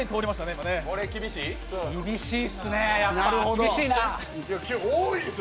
厳しいっすね、厳しいな。